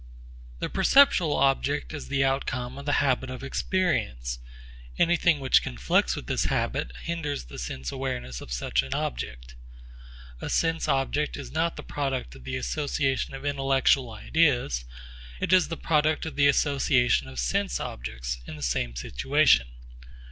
The perceptual object is the outcome of the habit of experience. Anything which conflicts with this habit hinders the sense awareness of such an object. A sense object is not the product of the association of intellectual ideas; it is the product of the association of sense objects in the same situation.